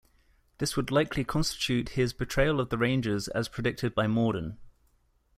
This would likely constitute his "Betrayal of the Rangers" as predicted by Morden.